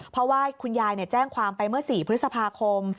เพราะว่าคุณยายแจ้งความไปเมื่อ๔พฤษภาคม